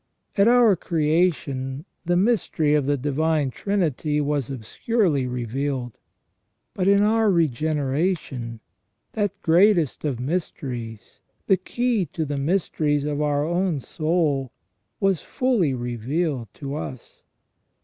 At our creation the mystery of the Divine Trinity was obscurely revealed, but in our regeneration, that greatest of mysteries, the key to the mysteries of our own soul, was fully revealed to us.